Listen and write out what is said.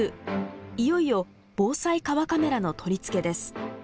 いよいよ防災川カメラの取り付けです。